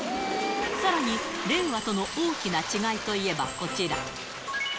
さらに、令和との大きな違いといえばこちら。